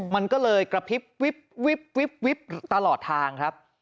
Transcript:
มันก็เลยกระพริบวิบตลอดทางครับ